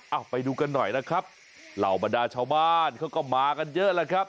เอาไปดูกันหน่อยนะครับเหล่าบรรดาชาวบ้านเขาก็มากันเยอะแล้วครับ